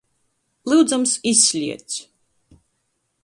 Lyudzams, izsliedz!